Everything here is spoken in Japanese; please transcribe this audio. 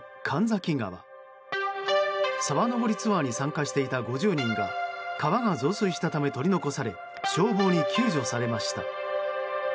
沢登りツアーに参加していた５０人が川が増水したため取り残され消防に救助されました。